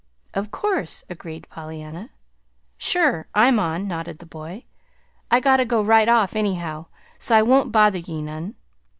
"Of course!" agreed Pollyanna. "Sure! I'm on," nodded the boy. "I gotta go right off anyhow, so I won't bother ye none.